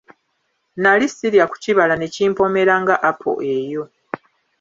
Nnali sirya ku kibala ne kimpoomera nga apo eyo.